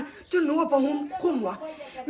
อันดับสุดท้ายก็คืออันดับสุดท้าย